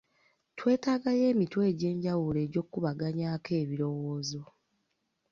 Twetagayo emitwe egy'enjawulo egy’okukubaganyaako ebirowoozo.